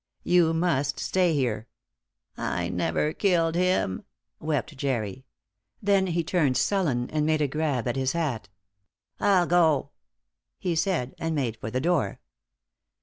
"You must stay here." "I never killed him!" wept Jerry; then he turned sullen and made a grab at his hat. "I'll go," he said, and made for the door.